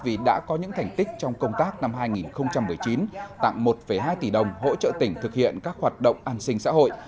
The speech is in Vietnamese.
vì đã có những thành tích trong công tác năm hai nghìn một mươi chín tặng một hai tỷ đồng hỗ trợ tỉnh thực hiện các hoạt động an sinh xã hội